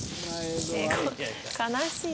悲しい。